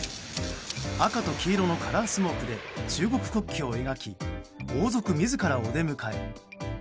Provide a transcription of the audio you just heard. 赤と黄色のカラースモークで中国国旗を描き王族自らお出迎え。